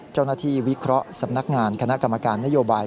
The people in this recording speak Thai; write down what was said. เจ้าหน้าที่วิเคราะห์สำนักงานขณะกรรมการนโยบาย